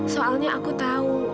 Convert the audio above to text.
soalnya aku tahu